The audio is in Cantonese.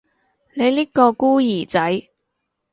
你呢個孤兒仔